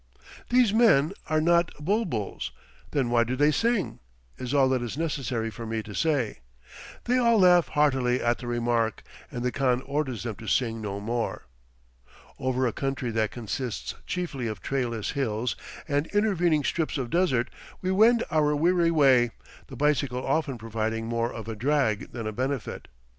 "These men are not bul buls; then why do they sing?" is all that is necessary for me to say. They all laugh heartily at the remark, and the khan orders them to sing no more. Over a country that consists chiefly of trailless hills and intervening strips of desert, we wend our weary way, the bicycle often proving more of a drag than a benefit.